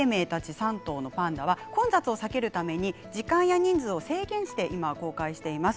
３頭のパンダは混雑を避けるため時間や人数を制限して公開しています。